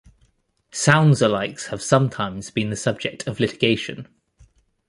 Sounds-alikes have sometimes been the subject of litigation.